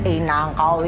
inang kau itu